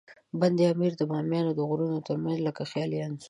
بند امیر د بامیانو د غرونو ترمنځ لکه خیالي انځور.